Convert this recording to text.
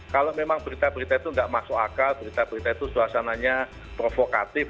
kalau memang berita berita itu tidak masuk akal berita berita itu suasananya provokatif